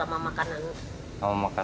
ya penampungan air bersih gitu sama makanan